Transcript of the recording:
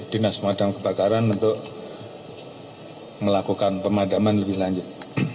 dinas pemadam kebakaran untuk melakukan pemadaman lebih lanjut